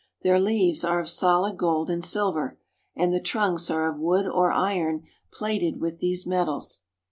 Their leaves are of solid gold and silver, and the trunks are of wood or iron plated with these metals.